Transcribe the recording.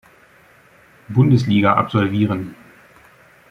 Bundesliga absolvieren.